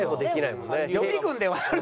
予備軍ではある。